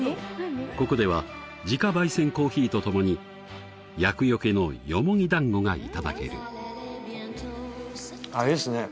ここでは自家ばい煎コーヒーと共に厄よけのよもぎ団子がいただけるあれですね